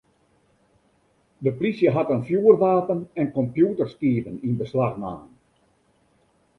De plysje hat in fjoerwapen en kompjûterskiven yn beslach naam.